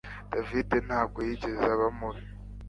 David ntabwo yigeze aba mubi